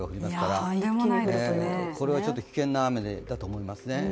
これはちょっと危険な雨だと思いますね。